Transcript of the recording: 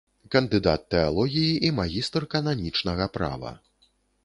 Кандыдат тэалогіі і магістр кананічнага права.